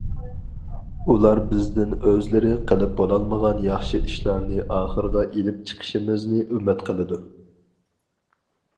ئۇلار بىزدىن ئۆزلىرى قىلىپ بولالمىغان ياخشى ئىشلارنى ئاخىرغا ئېلىپ چىقىشىمىزنى ئۈمىد قىلىدۇ.